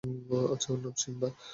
আচ্ছা ওর নাম সিম্বা।